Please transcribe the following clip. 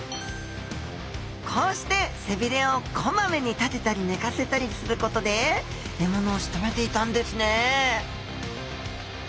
こうして背鰭をこまめに立てたり寝かせたりすることで獲物をしとめていたんですね